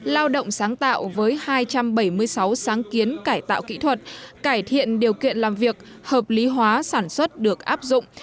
lao động sáng tạo với hai trăm bảy mươi sáu sáng kiến cải tạo kỹ thuật cải thiện điều kiện làm việc hợp lý hóa sản xuất được áp dụng